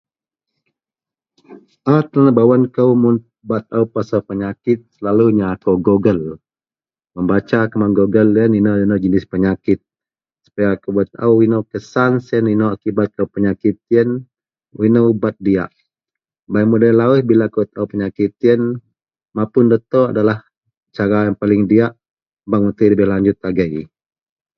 A tenabawen kou mun bak taao pasel penyakit selalunya akou googgle membaca kuman googgle iyen ion-ino jenis penyakit supaya akou bak taao ino kesan siyen ino akibat penyakit iyen ino ubat diyak mudei lawuih iyenlah mapun doktor adalah cara paling diyak ....??... lebih lanjut agei.